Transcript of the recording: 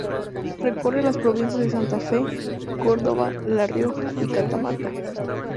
Recorre las provincias de Santa Fe, Córdoba, La Rioja y Catamarca.